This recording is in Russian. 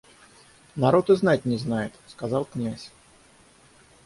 Народ и знать не знает, — сказал князь.